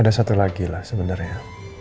ada satu lagi lah sebenarnya